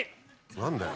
何だよ。